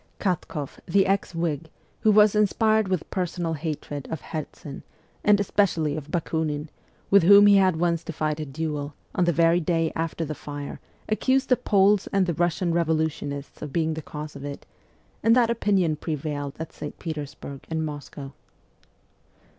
Katkoff, the ex Whig, who was inspired with per sonal hatred of Herzen, and especially of Bakiinin, with whom he had once to fight a duel, on the very day after the fire accused the Poles and the Russian revolutionists of being the cause of it ; and that opinion prevailed at St. Petersburg and Moscow.